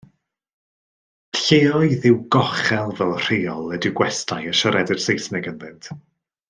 Lleoedd i'w gochel fel rheol ydyw gwestai y siaredir Saesneg ynddynt.